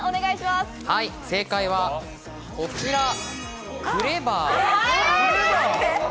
正解はこちら、「クレバー」。